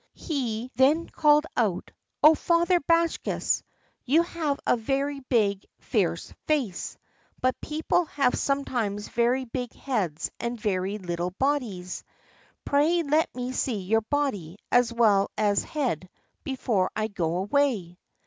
He then called out: "O father Bakshas, you have a very big, fierce face; but people have sometimes very big heads and very little bodies. Pray let me see your body as well as head before I go away."